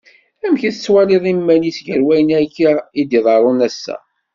Amek tettwaliḍ imal-is gar wayen akka iḍerrun ass-a?